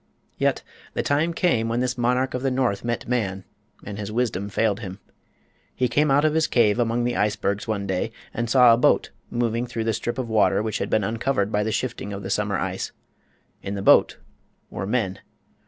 Yet the time came when this monarch of the north met man, and his wisdom failed him. He came out of his cave among the icebergs one day and saw a boat moving through the strip of water which had been uncovered by the shifting of the summer ice. In the boat were men.